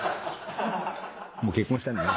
もう結婚したんでね。